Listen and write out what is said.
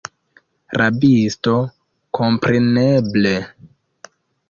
Rabisto, kompreneble!